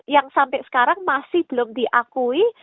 yang sampai sekarang masih belum diakui